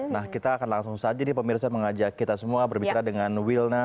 nah kita akan langsung saja nih pemirsa mengajak kita semua berbicara dengan wilna